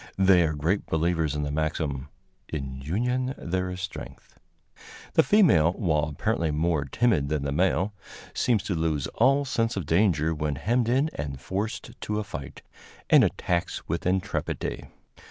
They are great believers in the maxim, "In union there is strength." The female, while apparently more timid than the male, seems to lose all sense of danger when hemmed in and forced to a fight, and attacks with intrepidity.